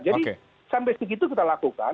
jadi sampai segitu kita lakukan